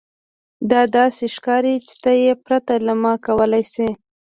دا داسې ښکاري چې ته یې پرته له ما کولی شې